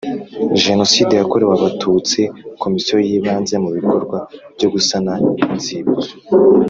Jenoside yakorewe Abatutsi Komisiyo yibanze mu bikorwa byo gusana inzibutso